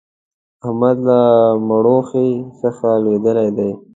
احمد له مړوښې څخه لوېدلی دی.